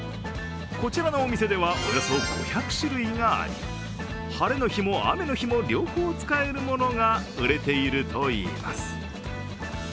こちらのお店ではおよそ５００種類があり、晴れの日も雨の日も両方使えるものが売れているといいます。